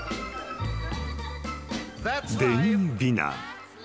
［デニー・ヴィナー。